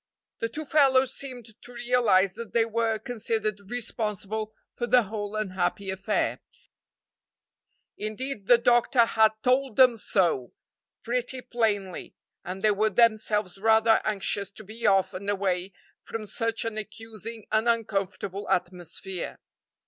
The two fellows seemed to realize that they were considered responsible for the whole unhappy affair; indeed, the doctor had told them so pretty plainly, and they were themselves rather anxious to be off and away from such an accusing and uncomfortable atmosphere.